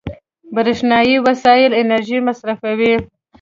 برېښنایي وسایل انرژي مصرفوي.